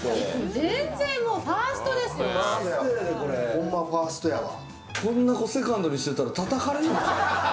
ほんまファーストやわ。